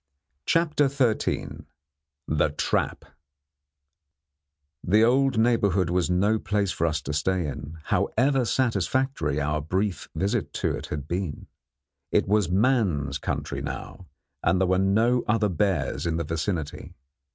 CHAPTER XIII THE TRAP The old neighbourhood was no place for us to stay in, however satisfactory our brief visit to it had been. It was man's country now, and there were no other bears in the vicinity.